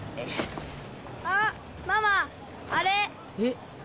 あっママあれ！え？